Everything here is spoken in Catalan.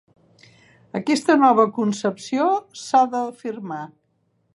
Aquesta nova concepció s'ha d'afirmar.